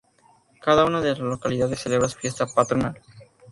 Cada una de las localidades celebra su fiesta patronal.